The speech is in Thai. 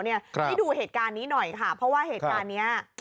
ให้ดูเหตุการณ์นี้หน่อยค่ะเพราะว่าเหตุการณ์นี้